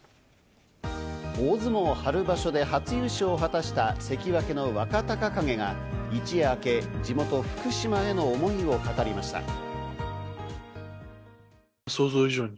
大相撲春場所で初優勝を果たした関脇の若隆景が一夜明け、地元・福島への思いを語りました。